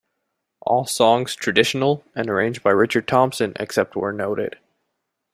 All songs Traditional and arranged by Richard Thompson except where noted.